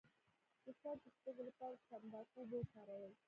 د سر د سپږو لپاره د تنباکو اوبه وکاروئ